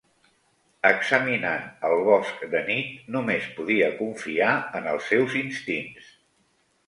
Examinant el bosc de nit, només podia confiar en els seus instints.